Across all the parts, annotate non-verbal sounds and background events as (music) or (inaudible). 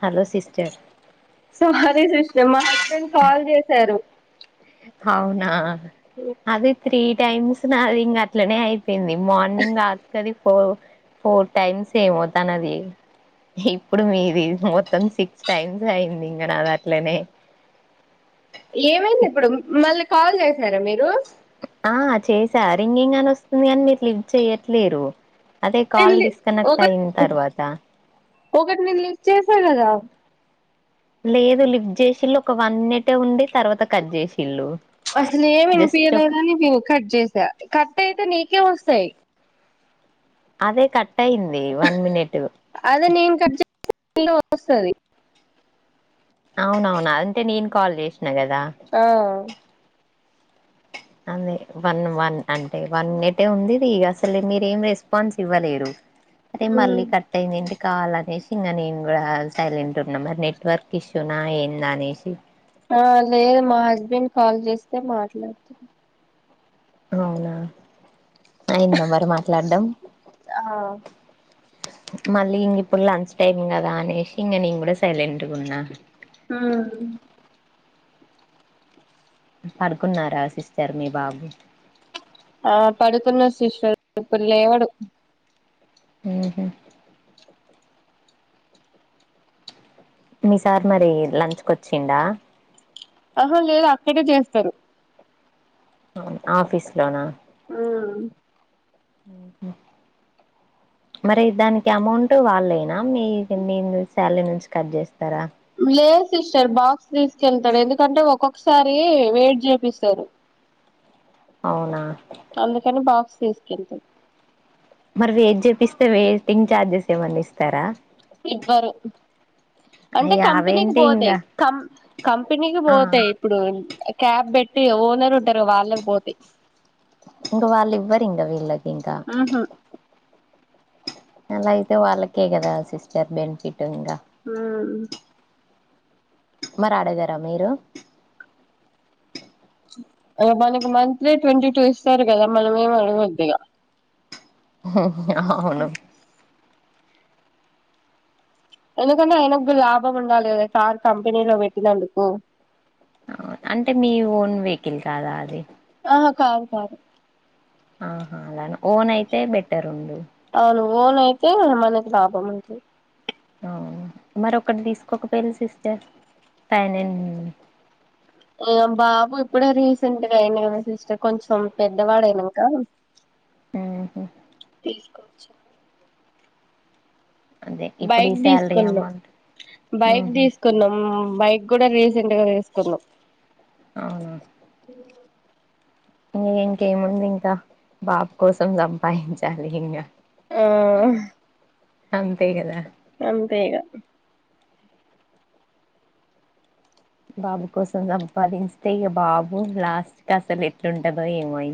Hello sister దే sister మా husband call చేశారు అవునా అదేత్రీ టైమ్స్ నాది ఇంగ అట్లనే అయి పోయింది మార్నింగ్ రాత్కది ఫోర్ ఫోర్ టైమ్స్ ఏమవుతానది ఇప్పుడు మీది మొత్తం సిక్స్ టైమ్స్ అయింది ఇంగ నాది అట్లనే ఏమైంది ఇప్పుడుం మళ్ళీ కాల్ చేసారా మీరు ఆ చేసా రింగింగ్ అని వస్తుంది అని మీరు లిఫ్ చెయట్లేరు అదే నేను కాల్ లి డిస్కు ఒక కనెక్ట్ అయిన తర్వాత ఒకటి నేను లిఫ్ట్ చేసా కదా లేదు లిఫ్ట్ చేసి ఇల్ళు ఒక వన్ మినిటే ఉండె తర్వాత కట్ చేసిల్ళు అసలు ఏమి వినిపయలేదని కట్ చేసా కట్ అయితే నీకే వస్తాయి అదే కట్ ట్టయింది వన్ మనిట్ లో వస్తాది అవునవును అంతే నిను కాల్ చేస్ ఆ అదే వన్ వన్ అంటే వన్ మినిట్ ఏ ఉంది ఇది అసలు మీరేం రెస్పాన్స్ ఇవ్వలేరు అది మళ్ళీ కట్ అయినదండి కావాలనేసి ఇంకా నేను కూడా సైలెంట్ ఉన్నా మరి నెట్వర్క్ ఇష్యూనా ఏంద అనేసి ఆ లేదు మా హస్బెండ్ కాల్ చేస్తే మాట్లాడుతున్నా అవునా అయిందా మరి మాట్లాడ్డం ఆ మళ్ళీ ఇంగా ఇప్పుడు లంచ్ టైమ్ కదా అనేేసి నిను కూడా సైలెంట్ గా ఉన్నా ఆవు (inaudible) పడుకున్నారా సిస్టర్ మీ బాబు ఆ పడుకున్నడు సిస్టర్ ఇప్పుడు లేవడు ఆహ మీ సార్ మరి లంచ్ కి వచ్చిండా ఆహా లేదు అక్కడే చేస్తారు ఆఫీస్ లోనా ఆ మరి దానికి అమౌంట్ వాళ్ళయినా మీ మీము శాలరీ నుంచి కట్ చేస్తారా లేదు సిస్టర్ బాక్స్ తీసుకెళ్తాడు ఎందుకంటే ఒక్కొక్కసారి వెయిట్ చేపిస్తారు అవునా అందుకని బాక్స్ తీసుకెళ్తాడు మరి వెయిట్ చెపిస్తే వెయిటింగ్ ఛార్జెస్ ఏమన్నా ఇస్తారా ఎవ్వరు అంటే అయ్యా కంపెనీకి అవేంటి పోతాయ్ ఇంగా కం కంపెనీకి ఆ పోతాయి ఇప్పుడు క్యాబ్ పెట్టి ఓనర్ ఉంటారు వాళ్ళకు పోతాయ్ ఇంగ వాళ్ళు ఇవ్వరు ఇంగ వీళ్ళకి ఇంకా ఉహు అలా అయితే వాళ్ళకే గదా సిస్టర్ బెనిఫిట్ ఇంగా ఆ ఆ మరి ఆడగారా మీరు మనకు మంత్లీ ట్వంటీ టూ ఇస్తారు కదా మనం ఏమ్ అడగద్దిగా హ ఆవును ఎందుకంటే ఆయనకు గు లాభం ఉండాలే గద కార్ కంపెనీలో పెట్టినందుకు అవును అంటే మీ ఓన్ వెహికిల్ కాదా అది ఆ కాదు కాదు ఆహా అలానే ఓన్ అయితే బెటర్ ఉండు అవును ఓన్ నయితే మనకి లాభం ఉంటది అవును మరోక్కటి తీసుకోక పెళ్లు సిస్టర్ ఫైనం ఇగ బాబు ఇప్పుడే రీసెంట్గా అయిండు కదా సిస్టర్ కొంచెం పెద్దవాడయినాంకా ఉహు తీసుకోవచ్చు అదే ఇప్పుడు ఈ బైక్ శాలరీ తీసుకున్నాం అమౌంట్ బైక్ ఊహు తీసుకున్నాం బైక్ కూడా రీసెంట్గా తీసుకున్నాం అవునా ఇంగ ఇంకేముంది ఇంకా బాబు కోసం సంపాదించాలి ఇంగ ఆ అంతే కదా అంతే ఇగ బాబు కోసం సంపాదిస్తే ఇగ బాబు లాస్ట్కీఅసలు ఎట్లుంటందో ఏమో ఇ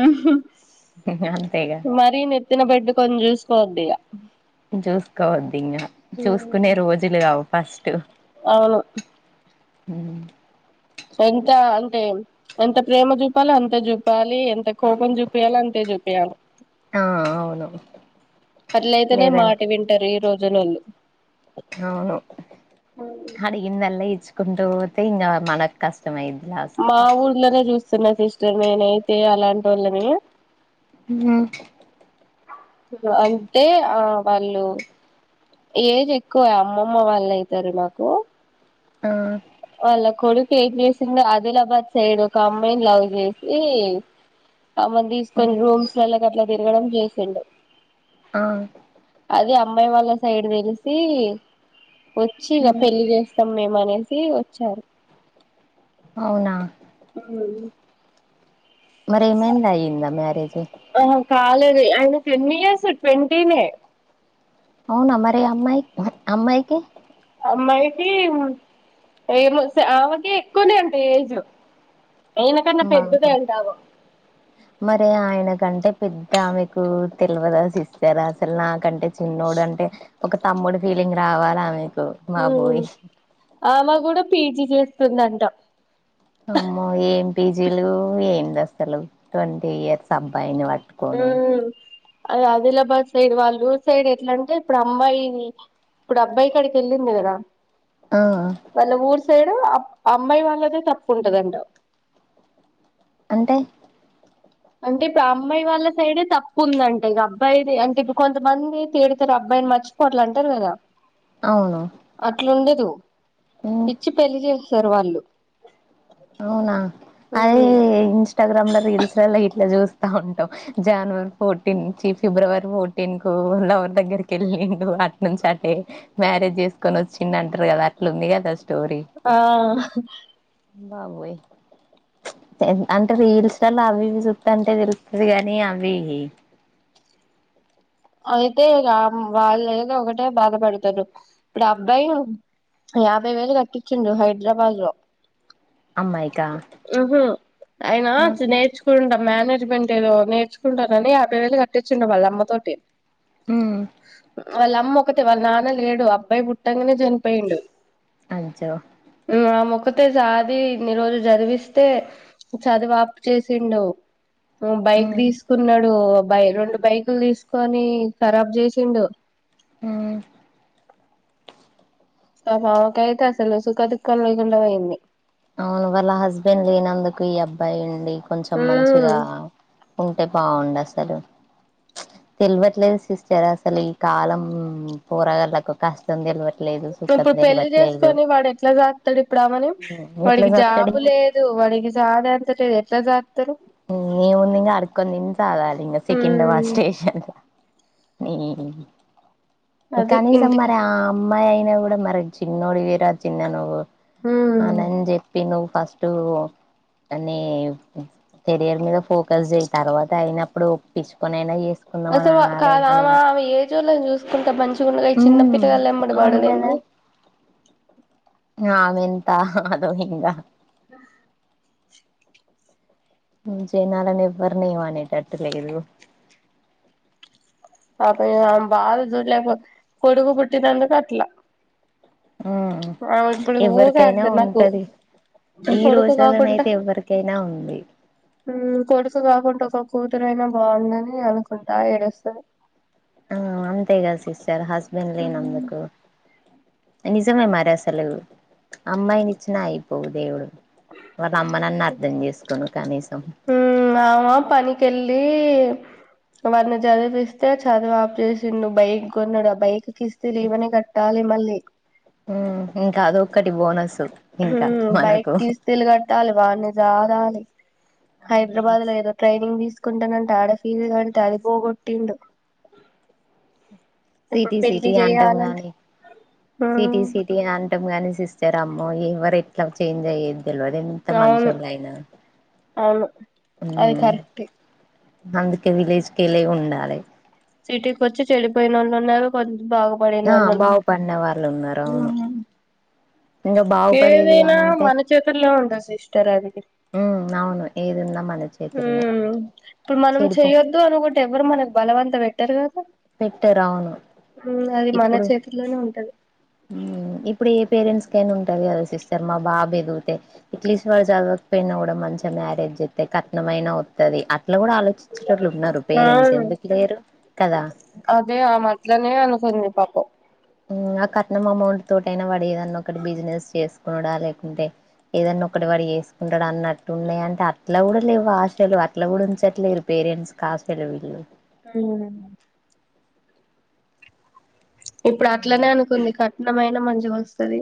ఉహు అంతేగా మరి నెత్తిన పెట్టుకొని చూస్ కోవద్దు ఇగ చూసుకోవదు ఇంగ చూసుకునే రోజులు కావు ఫస్ట్ టు అవును హుమ్ ఎంత అంటే ఎంత ప్రేమ చూపాలో అంతే చూపాలి ఎంత కోపం చూపియాలో అంతే చూపియాలి ఆ అవును అట్లయితనే మాట లేదంటే వింటారు ఈ రోజ్ జనాలు అవును అడిగిందల ఇచ్ కుంటూపోతే ఇంగా మనక్ కష్ట మా ఊర్లనే చూస్ సున్న సిస్టర్ నేనైతే అలాంటోళ్ళని నువ్వ అంటే ఆ వాళ్ళు ఏజ్ ఎక్కువే అమ్మమ్మ వల్లైతారు నాకు ఆ వాళ్ళ కొడుకు ఏం చేసిండు ఆదిలాబాద్ సైడు ఒకఅమ్మాయిని లవ్ చేసి ఆమెని తీసుకొని రూమ్స్లల గట్ల తిరగడం చేసిండు ఆ అది అమ్మాయి వాళ్ళ సైడ్ తెలిసి వచ్చిఇగ పెళ్ళి చేస్తాం మేమ్ మనేసి ఇగ చ్చారు అవునా ఏమనీ మరి ఏమైంద్ అయ్యిందా మ్యారేజు ఆహా కాలేదు ఆయనకు ఎన్నిఇయర్స్ ట్వంటీనే అవునా మరి అమ్మాయి హు హ్ అమ్మాయికి అమ్మాయికి ఏమో స్ ఆమెకి ఎక్కువనే అంట ఏజ్ ఈయనకన్నా మా బా పెద్దదే అంట మరీ ఆయన కంటే పెద్దా ఆమెకు తెల్ వదా సిస్టర్ అసలు నాకంటే చిన్నోడు అంటే ఒక తమ్ముడు ఫీలింగ్ రావాలి ఆమె హూ ఆమే కూడా పీజీ చేస్ స్తుందట అమ్మో ఏం పీజీలు ఏంది అసలు ట్వంటీ ఇయర్స్ అబ్బాయిని వా హ్ మ్మ్ అది ఆదిలాబాద్ సైడ్ వాళ్ళు ఊ సైడ్ ఎట్లా అంటే ఇప్పుడు అమ్మాాయి ఇప్పుడు అబ్బాయి కాడికి వెళ్ళింది కదా ఆ హా సైడు అమ్మాయి వాళ్ళదే తప్పు ఉంటదంట అంటే అంటే ఇప్పుడు అమ్మాయి వాళ్ళ సైడే తప్పు ఉందంట ఇగ, అబ్బాయిది అంటే ఇప్పుడు కొంతమంది తిడతారు అబ్బాయిని మర్చిపో అట్ల అంటరు కదా. అవును అట్లుండదు ఉమ్, ఇచ్చి పెళ్ళి జే స్ స్తరు వాళ్ళు అవునా అదే ఉమ్ ఇన్స్టాగ్రామ్ల రీల్స్ లా ఇట్లా జూస్ స్తా ఉంటాం. జనవరి ఫోర్టీన్ చి ఫిబ్రవరి ఫోర్టీన్ కు లవర్ దగ్గరికి వెళ్ళిండు, అట్ నుంచి అటే మ్యారేజ్ చేసుకొని వచ్చిండ్ అంటరు కదా అట్లా ఉంది కదా. స్టోరీ ఆ బాబోయ్ అంటే రీల్స్లలో అవి ఇవి చూత్తంటే అంటే తెలుస్తది గానీ అవి అయితే ఇగ వాళ్ళేదో ఒకటే బాధపడతురు, ఇప్పుడు అబ్బాయి యాభై వేలు కట్టించుండు హైదరాబాద్ లో అమ్మాయికా మ్ హు అయినా ఆ చ్ నేర్చుకుంటాం మేనేజ్మెంట్ ఏదో నేర్చుకుంటారని యాభై వేలు కట్టిచ్చుండు వాళ్ళ అమ్మతోటి మ్మ్ వాళ్ళ అమ్మ ఒకతే వాళ్ళ నాన్న లేడు అబ్బాయి పుట్టంగనే చనిపోయిండు అజ్జో ఇంగ ఆమ్ ఒకత్ టే సాది ఇన్ని రోజులు చదివిస్తే చదువ్ ఆప్ చేసిండు హు బైక్ ఉమ్ తీసుకున్నాడు బై రెండు బైకులు తీస్ కొని ఖరాబ్ చేసిండు ఉమ్ పాపం ఆమెకు అయితే అసలు సుఖ దుఃఖం లేకుండా పోయింది అవును వాళ్ళ హస్బెండ్ లేనందుకు ఈ అబ్బాయి అండి కొంచెం ఉమ్ మంచిగా ఉంటే బాగుండు అసలు తెలువట్లేదు సిస్టర్ అసలు ఈ కాలం పోరాగాలకు కష్టం తెలువట్ ఇప్పుడు పెళ్లి చేసుకొని వాడు ఎట్లా సాక్తాడు ఇప్పుడు ఆవని ఎట్లా వాడికి సత్తడు జాబు ఇంగ లేదు వాడికి (unintelligible) ఎట్ల సాక్తడు ఇంగ ఏముంది ఇంగ అడుక్కొని తిని తాగాలి ఇంగ సికింద్రావాద్ ఉమ్ స్టేషన్లా ఇ అది కనీసం ఇంటికి మరి ఆ అమ్మాయి అయినా కూడా మరి చిన్నోడివిరా చిన్న నువ్వు ఉమ్ అనన్ చెప్ నువ్వు ఫస్ట్ అని కెరియర్ మీద ఫోకస్ చేయి తర్వాత అయినప్పుడు ఒప్పించుకొని అయినా చేసు అసలు కాదు ఆవ ఆవే ఏజొలని చూసు ఎంత మంచి ఉండగా ఈ చిన్న ఉమ్ పిల్లగాండ్ల వెంబడి అవును పడుడు ఏంది ఆమె ఎంత అదో హింగా ఆ మ్ జనాలను ఎవ్వరిని ఏమ్ అనేటట్టు లేదు పాపం ఆమే బాధ చూడ్లేకపో కొడుకు పుట్టినందుకు అట్లా ఉమ్ ఆవే ఇప్పుడు ఊకే ఎవరికైనా అంటది నాకు ఉంటది ఈ కొడుకు కాకుంట రోజులనైతే ఎవరికైనా ఉంది ఉమ్ కొడుకు కాకుంట ఒక కూతురైనా బాగుండని అనుకుంటా ఏడుస్తది ఆ అంతేకదా సిస్ ర్ హస్బెండ్ ఉమ్ లేనందుకు నిజంమే మరి అసలు అమ్మాయిని ఇచ్చిన అయిపోవు దేవుడు వాళ్ళ అమ్మనన్న అర్ధం చేసుకును కనీసం ఉమ్ ఆవ పనికెళ్ళి వాని చదివిపిస్తే చదువు ఆప్ చేసిండు బైక్ కొన్నాడు ఆ బైక్ కిస్తిలు ఇమనే కట్టాలి మళ్లీ ఎ ఉమ్ కాదు బైక్ కిస్తిలు కట్టాలి వాని సా కాలి హైదరాబాద్ లో ఏదో ట్రైనింగ్ తీ కుంటన్నంటాడ ఫీల్ అ తలిపోగ కొటిడు సిటీ సిటీ అనంటాం గాని ఉమ్ సిటీ సిటీని అంటం గాని సిస్ ార అమ్మో ఎవరు ఎట్లా చేంజ్ అయ్యేది తెలివడి ఎంత అవును మషుళ అయినా అవును అది కరెక్టే అందుకే విలేజ్కల ఉండాలి సిటీ వచ్చి చె చిళపో నలనా కొ ఆ బాగు్ పడివ న్నారు అవును ఇంకా బాగుపడేది ఏదైనా అనింటే మన చేతుల్లో ఉంటది సిస్టర్ అది అవును ఏది ఉందా మన చేతులనే ఇప్పుడు మనం చెడిపో చెయొద్దు అనుకోంటటి ఎవరు మనకు బలం అంత పెట్టారుగా పెట్టారు అవును అది మన ఇప్పుడు చేతుల్లోనే ఉంటది ఇప్పుడు ఏ పేరెంట్స్ ఉంటంది కదా సిస్టర్ మా బాబు ఎదిగుతే ఇట్లీస్ట్ వాళ చదవకపోయినా కూడా మంచిగా మ్యారేజ్ చెస్తతే కట్నమయినా వవుది అట్లా కూడా ఆలో (unintelligible) ఉన్నారు ఆ పేరెంట్స్ ఎందుకు లేరు కదా అదే ఆ మట్లానేే అనుకుందింది పాపం ఆ కట్నం అమౌంట్ తోటయినా వాడు ఏదన్నా ఒకటి బిజినెస్ చేసుకున్నాడా లేకుంటే ఏదన్నా ఒకటి వాడు చేసుకుంటాడు అన్నట్టు ఉన్నాయి అంటే అట్లా కూడా లేవు ఆశలు అట్లా కూడా ఉంచట్లేదు పేరెంట్స్ క ఆశలు వీళ్ళు అ ఇప్పుడు అట్లనే అనుకుంది కా ఇన్నమైైన మంచిగా వస్తుంది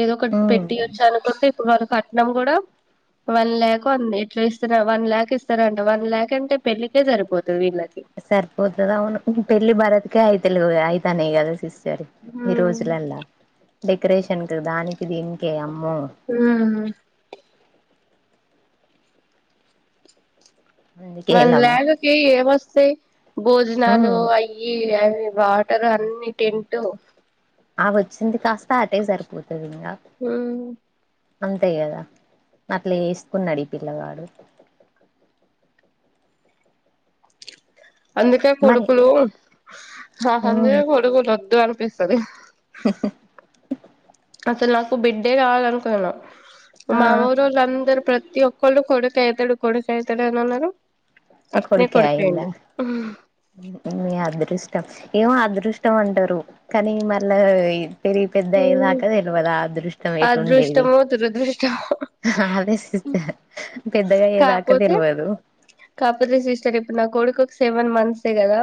ఏదో ఒకటి ఉమ్ పెట్టి వచ్చ అనుకుంటే వాళ కట్టనం కూడా వన్ ల్యాక్ అంది ఎట్లా ఇస్తార వన్ ల్యాక్ ఇస్తారంట వన్ ల్యాక్ అంటే పెళ్ళకే సరిపోతుంది సరిపోతుదావును పెళ్లి భారత్ అయితే అయతాేద సరే ఈ ఉమ్ రోజులలా డెకరేషన్ క దానికి దీంకేయమ్ ఆ అందుకే మన లవ్ లేగ కే ఏ బస్ స భోజనాలు ఉమ్ అయ్యి వాటర్ అన్ని టెంట్ అ వచ్చింది కాస్త అటే సరిపోద్ది సరియ ఉమ్ అంతే కదా అట్లా వేసుకున్నాడు ఈ పిల్లవాడు అందుకే మరి కొడుకులు అస్ ఉమ్ నాహందుకే కొడుకులు వద్దనిపిస్ కదా (unintelligible) అసలు నాకు బిడ్డే కావాలను కున్న ఆ మా ఊరోలందరు ప్రత్ ఈ ఒకడు కొడుకు ఐతడు కొడుకు ఐతడు అని అన్నరు అట్నే కొడుకే అయిండ కొడుకైండు నీ అదృష్టం ఏం అదృష్టం అంటరు కానీ మళ్ళా ఈ పెరిగి పెద్దయ్యే ఉమ్ దాకా తెల్వది ఆ అదృష్టం ఎటు ఉండేది అదృష్టమో దురదృష్టమో అదే సిస్టర్ పెద్దగాయ్యదాకా తెల్వదు స్టర్ ఇప్పుడు నా కొడుకొక సెవెన్ మంత్సే కదా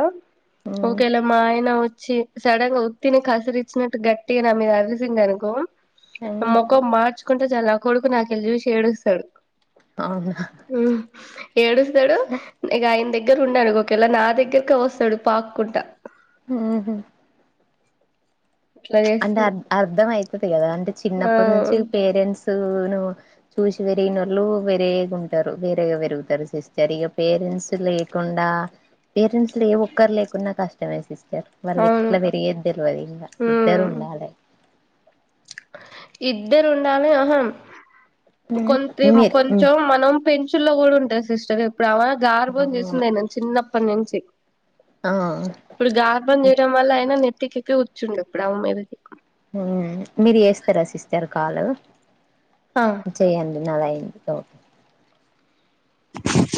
ఉమ్ ఒకేలా మాయనా వొచ్ చ్చి సడన్ గా ఉత్తిని కసిరిచ్చినట్టు గట్టి అని మీద అరిసిండనుకో మొకం మాడ్చ్ కుంటే చాలు ఆ కొడుకు నాకెలి చూసి ఏడుస్తడు అవునా ఏడుసడు ఇగ అయిన్ దగ్ దగ్గర ఉండడు ఒకవేళ నా దగ్గరక వస్తాడు పాక్కుంట ఊహు అట్లా ప్చ్ అంటే చేస్తాడు అర్ అర్థమయి గ పిలగాని ఆ చిన్నప్పనుంచి పేరెంట్స్ ను నువ్ చూసివరిగినోళ్ళు వేరేగా ఉంటరు వేరేగా పెరుగుతారు సిస్టర్ ఇగ పేరెంట్స్ లేకుండా పేరెంట్స్ లో ఏ ఒక్కరు లేకున్నా కష్టమే సిస్టర్ వాళ్ళు అవును ఇట్లా పెరిగేది తెల్వది ఇంగ ద్దరు ఉమ్ ఉండాలె ఇద్దరు ఉండాలె అహా ఉమ్, కొంతెం మీరు ఉమ్, కొంచెం మనం పెంచులో కూడా ఉంటది సిస్టర్ ఎప్ గామే గార్భం అవును. చేసింది అయినను చిన్నప్ పన్నించి ఆ ఇపుడు గారాబం చేయటం వల్ల అయిన నెత్తికి ప్పుడె ఒచిండు డాబా మీదకి మీర్ జేస్తర సిస్టర్ కాలు అ న లైఫ్లో (inaudible)